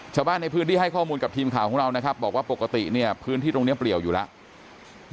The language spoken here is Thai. ชาวบ้านในพื้นที่ให้ข้อมูลกับทีมข่าวของเรานะครับบอกว่าปกติเนี่ยพื้นที่ตรงนี้เปลี่ยวอยู่แล้ว